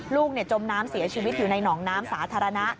จมน้ำเสียชีวิตอยู่ในหนองน้ำสาธารณะ